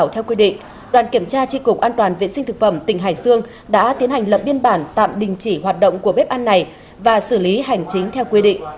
theo quy định đoàn kiểm tra tri cục an toàn vệ sinh thực phẩm tỉnh hải dương đã tiến hành lập biên bản tạm đình chỉ hoạt động của bếp ăn này và xử lý hành chính theo quy định